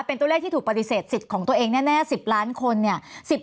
เป็นตัวเลขที่ถูกปฏิเสธสิทธิ์ของตัวเองแน่๑๐ล้านคนเนี่ย